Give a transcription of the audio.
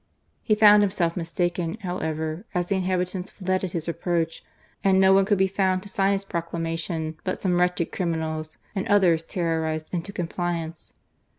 He found him self mistaken, however, as the inhabitants fled at his approach, and no one could be found to sign his proclamation but some wretched criminals and others terrorized into compliance.